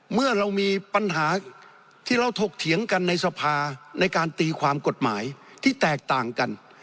เมื่อเรามีปัญหาที่เราถกเถียงกันในสภาในการตีความกฎหมายที่แตกต่างกัน